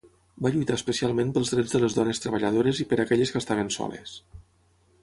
Va lluitar especialment pels drets de les dones treballadores i per aquelles que estaven soles.